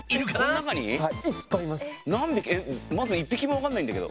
えっまず一匹もわかんないんだけど。